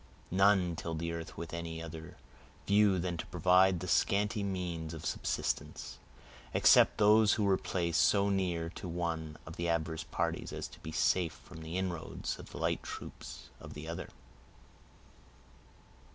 None tilled the earth with any other view than to provide the scanty means of subsistence, except those who were placed so near to one of the adverse parties as to be safe from the inroads of the light troops of the other.